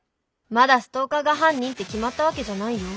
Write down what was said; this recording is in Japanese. まだストーカーが犯人って決まったわけじゃないよ。